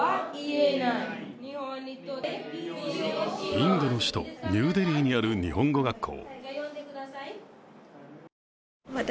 インドの首都ニューデリーにある日本語学校。